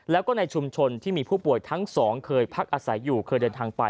แล้วก็ในชุมชนที่มีผู้ป่วยทั้งสองเคยพักอาศัยอยู่เคยเดินทางไป